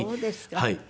はい。